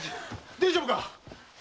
大丈夫か？